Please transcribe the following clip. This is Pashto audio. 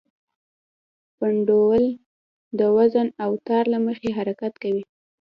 پینډول د وزن او تار له مخې حرکت کوي.